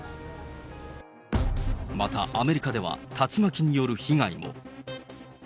また、アメリカでは竜巻による被害も。